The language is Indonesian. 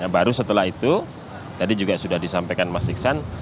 baru setelah itu tadi juga sudah disampaikan mas iksan